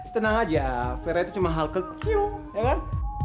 tenang aja vera itu cuma hal kecil ya kan